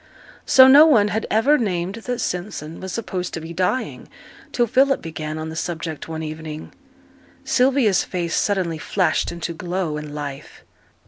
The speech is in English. So no one had ever named that Simpson was supposed to be dying till Philip began on the subject one evening. Sylvia's face suddenly flashed into glow and life.